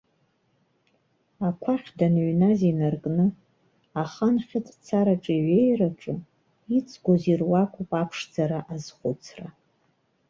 Ақәахь даныҩназ инаркны, ахан хьыҵәцараҿ иҩеираҿы иҵгәоз ируакуп аԥшӡара азхәыцра.